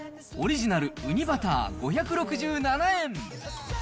オリジナルうにバター５６７円。